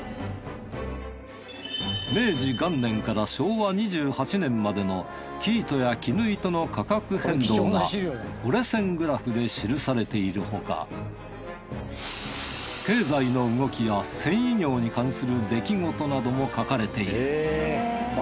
明治元年から昭和２８年までの生糸や絹糸の価格変動が折れ線グラフで記されているほか経済の動きや繊維業に関する出来事なども書かれている。